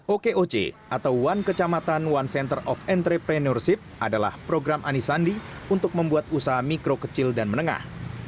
okoc atau one kecamatan one center of entrepreneurship adalah program ani sandi untuk membuat usaha mikro kecil dan menengah